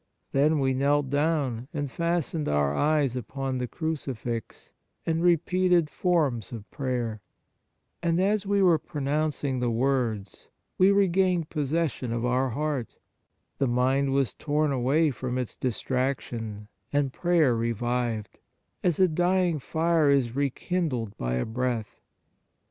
Then we knelt down and fastened our eyes upon the Crucifix and repeated forms of prayer, and as we were pronouncing the words, we regained possession of our heart, the mind was torn away from its distrac tion, and prayer revived, as a dying fire is rekindled by a breath.